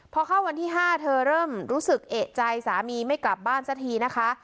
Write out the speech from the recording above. พอเข้าวันที่๕เธอเริ่มรู้สึกเอกใจสามีไม่กลับบ้านสักทีนะคะ